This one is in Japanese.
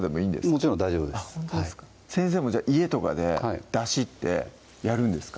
もちろん大丈夫です先生も家とかでだしってやるんですか？